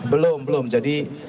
belum belum jadi